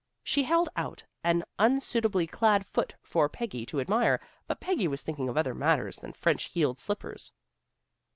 She held out an unsuitably clad foot for Peggy to admire, but Peggy was thinking of other matters than French heeled slippers.